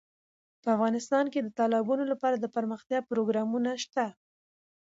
افغانستان کې د تالابونو لپاره دپرمختیا پروګرامونه شته.